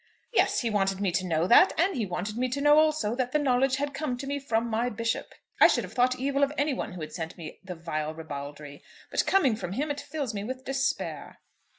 "Yes; he wanted me to know that, and he wanted me to know also that the knowledge had come to me from my bishop. I should have thought evil of any one who had sent me the vile ribaldry. But coming from him, it fills me with despair."